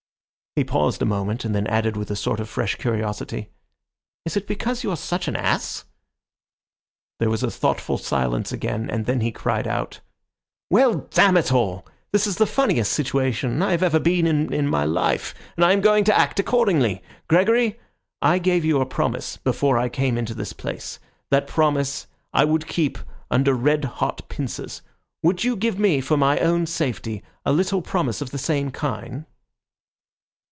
He paused a moment, and then added with a sort of fresh curiosity, "Is it because you are such an ass?" There was a thoughtful silence again, and then he cried out— "Well, damn it all! this is the funniest situation I have ever been in in my life, and I am going to act accordingly. Gregory, I gave you a promise before I came into this place. That promise I would keep under red hot pincers. Would you give me, for my own safety, a little promise of the same kind?"